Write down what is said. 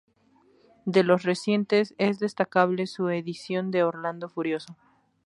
De los recientes, es destacable su edición de "Orlando Furioso".